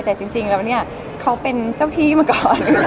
แต่จริงแล้วเนี่ยเขาเป็นเจ้าที่มาก่อน